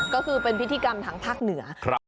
ก็คือเป็นพิธีกรรมทางภาคเหนือ